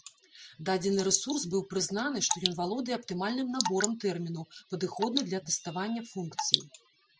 Дадзены рэсурс быў прызнаны, што ён валодае аптымальным наборам тэрмінаў, падыходны для тэставання функцый.